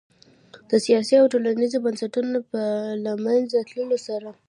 د سیاسي او ټولنیزو بنسټونو په له منځه تلو سره